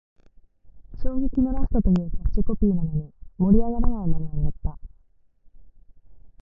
衝撃のラストというキャッチコピーなのに、盛り上がらないまま終わった